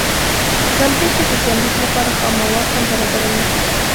ځان پېښې د ژوند لیک لپاره خام مواد هم برابروي.